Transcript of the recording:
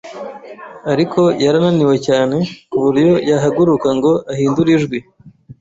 ariko yari ananiwe cyane ku buryo yahaguruka ngo ahindure ijwi.